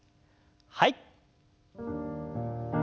はい。